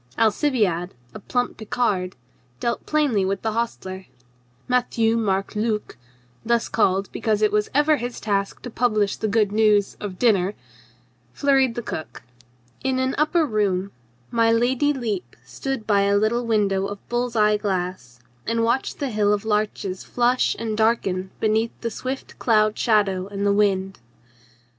Alcibiade, a plump Picard, dealt plainly with the hostler. Matthieu Marc Luc (thus called be cause it was ever his task to publish the good news of dinner) flurried the cook. In an upper room my Lady Lepe stood by a little window of bull's eye glass and watched the hill of larches flush and darken beneath the swift cloud shadow and the wind.